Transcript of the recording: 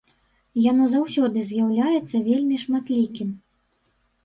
Яно заўсёды з'яўляецца вельмі шматлікім.